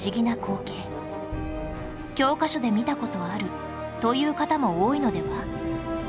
教科書で見た事あるという方も多いのでは？